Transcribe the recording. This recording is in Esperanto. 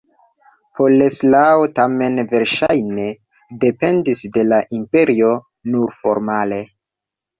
Boleslao tamen verŝajne dependis de la imperio nur formale.